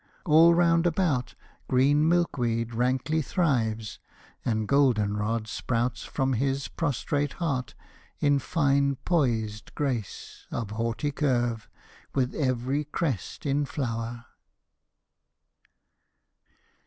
All round about Green milkweed rankly thrives, and golden rod Sprouts from his prostrate heart in fine poised grace Of haughty curve, with every crest in flower.